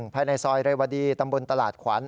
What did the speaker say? ภายในซอยเรวดีตำบลตลาดขวัญ